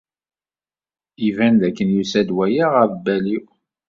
Iban dakken yusa-d waya ɣer lbal-iw.